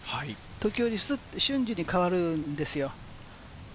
時折、瞬時に変わるんですよ。